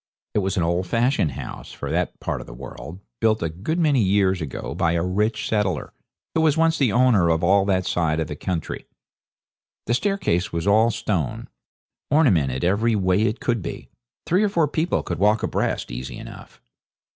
It was an old fashioned house for that part of the world, built a good many years ago by a rich settler, who was once the owner of all that side of the country. The staircase was all stone, ornamented every way it could be. Three or four people could walk abreast easy enough.